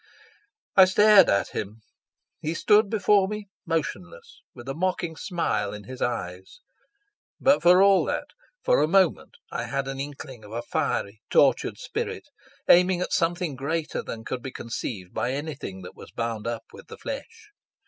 I stared at him. He stood before me, motionless, with a mocking smile in his eyes; but for all that, for a moment I had an inkling of a fiery, tortured spirit, aiming at something greater than could be conceived by anything that was bound up with the flesh.